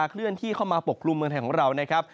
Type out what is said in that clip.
เคลื่อนที่เข้ามาปกครุมเมืองไทยของเรานะครับ